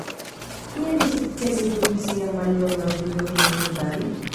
Kiel li sukcesis dum sia mallonga vivo tiom murdadi?